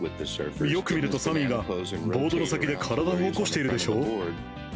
よく見ると、サミーがボードの先で体を起こしているでしょ。